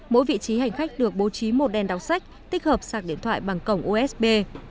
mỗi vị trí hành khách được bố trí một đèn đọc sách tích hợp sạc điện thoại bằng cổng usb